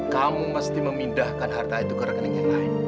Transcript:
kamu mesti memindahkan harta itu ke rekening yang lain